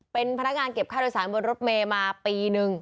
เป็นพนักงานเก็บค่าโดยสารบนรถเมย์มาปีนึง